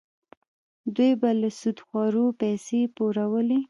دوی به له سودخورو پیسې پورولې.